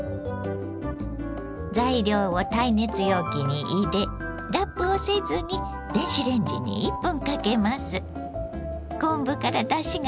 材料を耐熱容器に入れラップをせずに電子レンジに１分かけます。